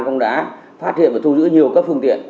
công an đã phát hiện và thu giữ nhiều phương tiện